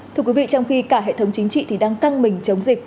thưa quý vị trong khi cả hệ thống chính trị thì đang căng mình chống dịch